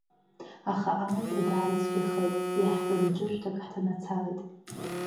Аха аамҭа даара ицәгьахеит, иаҳтәым ҿышәҭак ҳҭанацалеит…